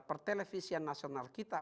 per televisi yang nasional kita